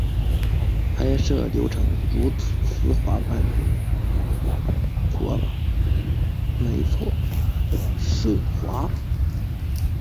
拍摄流程如丝般顺滑